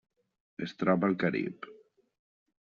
Es troba al Carib.